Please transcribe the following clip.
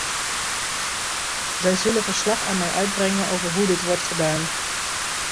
Zij zullen verslag aan mij uitbrengen over hoe dit wordt gedaan.